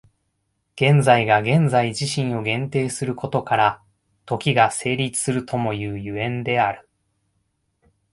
現在が現在自身を限定することから、時が成立するともいう所以である。